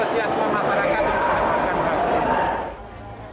saya akan menjaga masyarakat